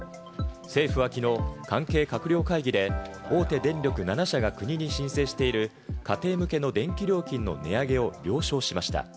政府はきのう関係閣僚会議で大手電力７社が国に申請している家庭向けの電気料金の値上げを了承しました。